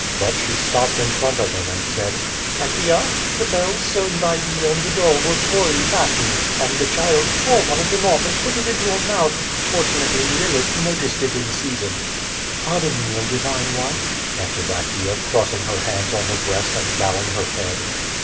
But she stopped in front of them and said: "Actea, the bells sewn by thee on the doll were poorly fas tened, and the child tore one of them off and put it into her mouth; fortunately Lilith noticed it in season.^' "Pardon me, O Divine one!" answered Actea, crossing her hands on her breast and bowing her head.